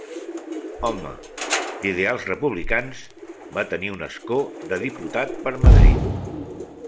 Home d'ideals republicans, va tenir un escó de diputat per Madrid.